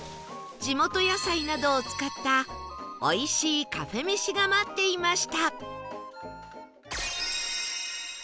地元野菜などを使ったおいしいカフェめしが待っていました